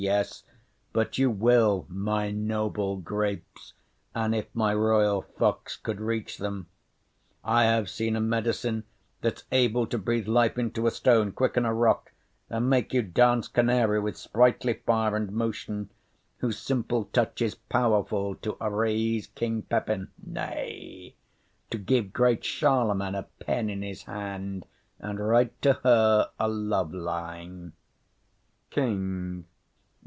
Yes, but you will My noble grapes, and if my royal fox Could reach them. I have seen a medicine That's able to breathe life into a stone, Quicken a rock, and make you dance canary With sprightly fire and motion; whose simple touch Is powerful to araise King Pippen, nay, To give great Charlemain a pen in's hand And write to her a love line. KING.